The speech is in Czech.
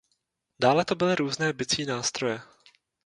Dále to byly různé bicí nástroje.